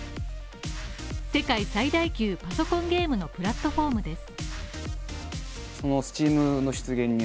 世界最大級パソコンゲームのプラットフォームです。